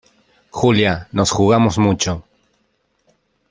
Julia, nos jugamos mucho.